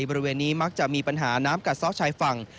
บริเวณนี้มักจะมีปัญหาน้ำกัดซ่อชายฝั่ง